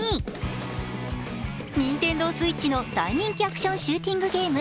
ＮｉｎｔｅｎｄｏＳｗｉｔｃｈの大人気シューティングゲーム